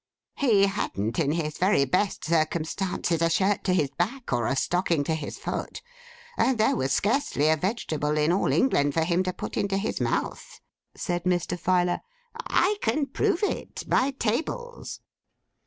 'He hadn't, in his very best circumstances, a shirt to his back, or a stocking to his foot; and there was scarcely a vegetable in all England for him to put into his mouth,' said Mr. Filer. 'I can prove it, by tables.